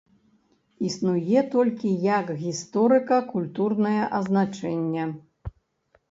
Існуе толькі як гісторыка-культурная азначэнне.